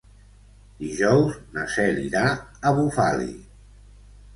Dijous na Cel irà a Bufali.